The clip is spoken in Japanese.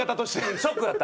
ショックだった。